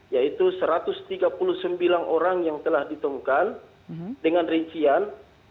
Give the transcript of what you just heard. yaitu satu ratus tiga puluh sembilan orang yang telah ditemukan dengan rincian